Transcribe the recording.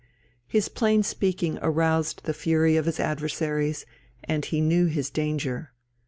His plain speaking aroused the fury of his adversaries, and he knew his danger.